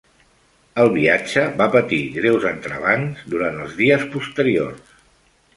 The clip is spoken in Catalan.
El viatge va patir greus entrebancs durant els dies posteriors.